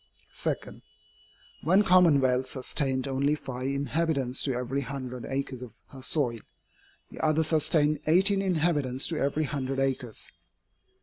2. One commonwealth sustained only five inhabitants to every hundred acres of her soil, the other sustained eighteen inhabitants to every hundred acres.